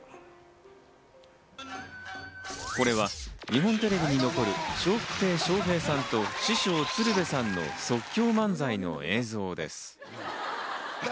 これは日本テレビに残る、笑福亭笑瓶さんと師匠・鶴瓶さんの即興漫才の映像です。